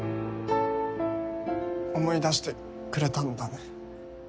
思い出してくれたんだね